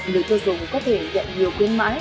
người sử dụng có thể nhận nhiều khuyến mãi